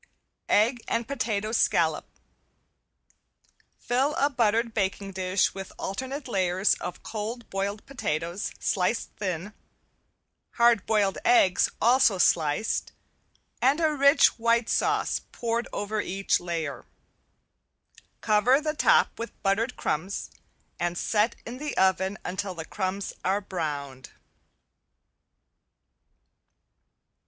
~EGG AND POTATO SCALLOP~ Fill a buttered baking dish with alternate layers of cold boiled potatoes sliced thin, hard boiled eggs also sliced, and a rich white sauce poured over each layer. Cover the top with buttered crumbs and set in the oven until the crumbs are browned.